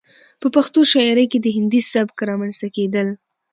،په پښتو شاعرۍ کې د هندي سبک رامنځته کېدل